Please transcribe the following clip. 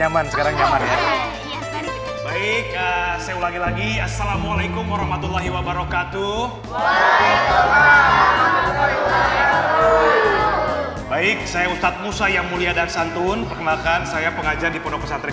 baik saya ustadz musa yang mulia dan santun perkenalkan saya pengajar di pondok pesantren